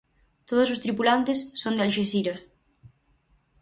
Todos os tripulantes son de Alxeciras.